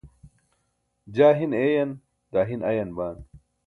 jaa hin eeyan daa hin ayan baan